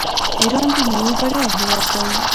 ایران د میوو بډایه هیواد دی.